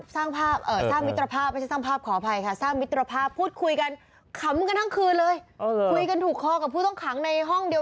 สร้างภาพเออสร้างมิตรภาพไม่ใช่สร้างภาพขออภัยค่ะสร้างมิตรภาพพูดคุยกันขำกันทั้งคืนเลย